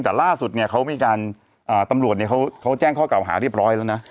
แต่ล่าสุดเนี่ยเขามีการตำรวจเนี่ยเขาแจ้งข้อเก่าหาเรียบร้อยแล้วนะ